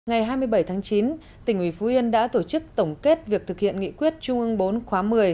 ngày hai mươi bảy tháng chín tỉnh ủy phú yên đã tổ chức tổng kết việc thực hiện nghị quyết trung ương bốn khóa một mươi